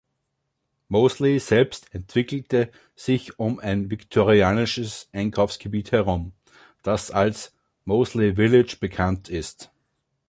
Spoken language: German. Moseley selbst entwickelte sich um ein viktorianisches Einkaufsgebiet herum, das als „Moseley Village“ bekannt ist.